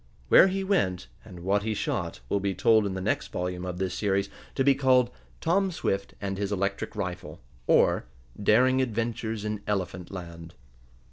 Where he went, and what he shot, will be told in the next volume of this series, to be called: "Tom Swift and His Electric Rifle; or, Daring Adventures in Elephant Land."